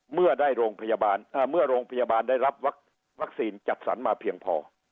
เมื่อโรงพยาบาลได้รับวัคซีนจัดสรรมาเพียงพอ